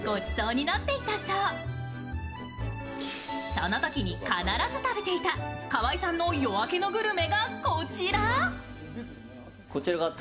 そのときに必ず食べていた河合さんの「夜明けのグルメ」がこちら。